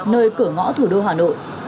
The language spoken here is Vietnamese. nơi cửa ngõ thủ đô hà nội